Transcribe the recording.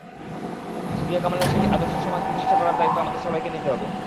সুফিয়া কামালের সেই আদর্শ সমাজে প্রতিষ্ঠা করার দায়িত্ব আমাদের সবাইকে নিতে হবে।